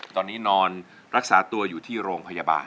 ตอนนี้นอนรักษาตัวอยู่ที่โรงพยาบาล